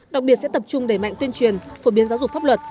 đặc biệt sẽ tập trung đẩy mạnh tuyên truyền phổ biến giáo dục pháp luật